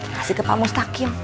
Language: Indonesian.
kasih ke pak mustaqim